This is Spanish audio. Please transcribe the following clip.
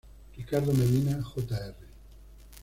Ricardo Medina, Jr.